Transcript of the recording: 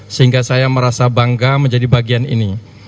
sehingga saya merasa bangga menjadi bagian ini